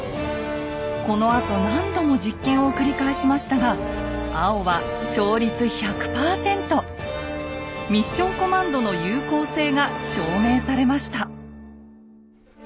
このあと何度も実験を繰り返しましたが青はミッション・コマンドの有効性が証明されました。